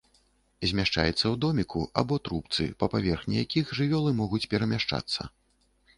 Змяшчаецца ў доміку або трубцы, па паверхні якіх жывёлы могуць перамяшчацца.